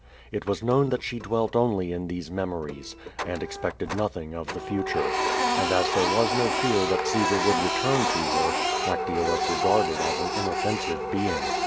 It was known that she dwelt only in these memories, and expected nothing of the future. And as there was no fear that Caesar would re turn to her, Actea was regarded as an inoffensive being.